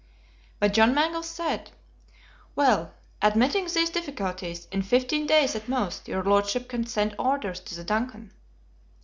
But John Mangles said, "Well, admitting these difficulties, in fifteen days at most your Lordship can send orders to the DUNCAN."